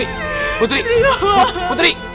masa kita harus eh kira kira ini